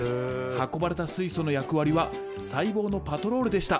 運ばれた水素の役割は細胞のパトロールでした。